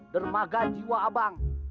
dermaga jiwa abang